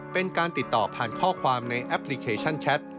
เป็นการติดต่อผ่านข้อความในแอปพลิเคชันแชท